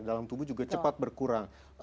dalam tubuh juga cepat berkurang